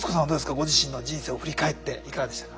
ご自身の人生を振り返っていかがでしたか。